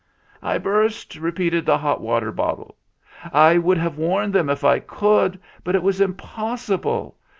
"I burst," repeated the hot water bottle. "I would have warned them if I could, but it was impossible.